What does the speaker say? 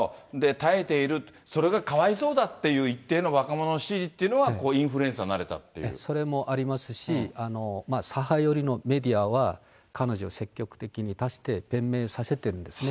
耐えている、それがかわいそうだっていう一定の若者の支持というのはインフルそれもありますし、左派寄りのメディアは、彼女を積極的に出して弁明させてるんですね。